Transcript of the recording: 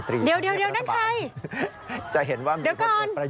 เดี๋ยวก่อนตั้งใคร